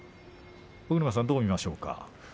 尾車さん、どう見ましょうか。